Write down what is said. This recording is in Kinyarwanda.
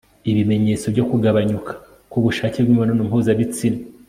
ibimenyetso byo kugabanyuka k'ubushake bw'imibonano mpuzabitsina